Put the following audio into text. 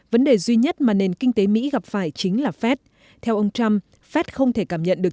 vấn đề duy nhất mà nền kinh tế mỹ gặp phải chính là fed theo ông trump fed không thể cảm nhận được